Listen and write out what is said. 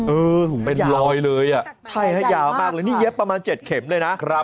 เออเป็นรอยเลยอ่ะใช่ฮะยาวมากเลยนี่เย็บประมาณ๗เข็มเลยนะ